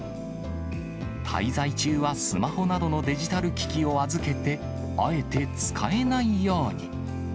滞在中はスマホなどのデジタル機器を預けて、あえて使えないように。